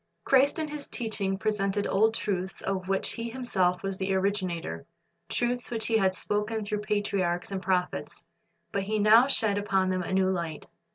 Christ in His teaching presented old truths of which He Himself was the originator, truths which He had spoken through patriarchs and prophets ; but He now shed upon them a new light.